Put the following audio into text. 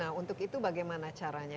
nah untuk itu bagaimana caranya